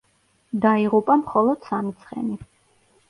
დაიღუპა მხოლოდ სამი ცხენი.